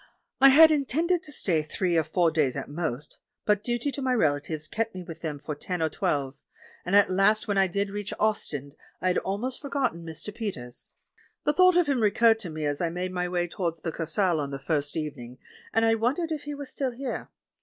I had intended to stay three of four days at most, but duty to my rela tives kept me with them for ten or twelve, and at THE WOiVIAN WHO WISHED TO DIE 39 last when I did reach Ostend I had ahnost for gotten Mr. Peters. The thought of him recurred to me as I made my way towards the Kursaal on the first evening, and I wondered if he was still here.